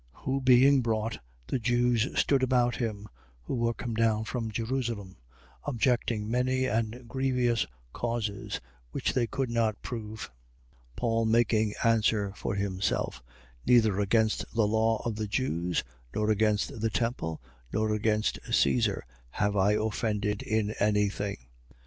Who being brought, the Jews stood about him, who were come down from Jerusalem, objecting many and grievious causes, which they could not prove: 25:8. Paul making answer for himself: Neither against the law of the Jews, nor against the temple, nor against Caesar, have I offended in any thing. 25:9.